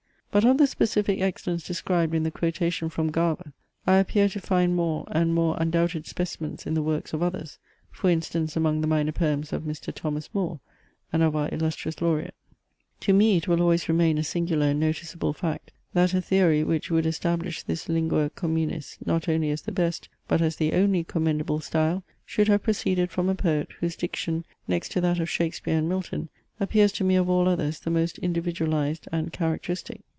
But of the specific excellence described in the quotation from Garve, I appear to find more, and more undoubted specimens in the works of others; for instance, among the minor poems of Mr. Thomas Moore, and of our illustrious Laureate. To me it will always remain a singular and noticeable fact; that a theory, which would establish this lingua communis, not only as the best, but as the only commendable style, should have proceeded from a poet, whose diction, next to that of Shakespeare and Milton, appears to me of all others the most individualized and characteristic.